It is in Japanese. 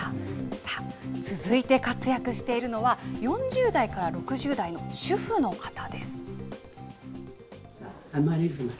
さあ、続いて活躍しているのは、４０代から６０代の主婦の方です。